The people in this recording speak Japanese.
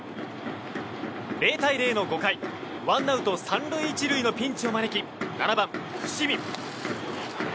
０対０の５回ワンアウト３塁１塁のピンチを招き７番、伏見。